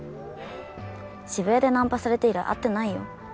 渋谷でナンパされて以来会ってないよ。